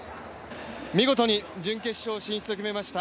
見事に準決勝進出を決めました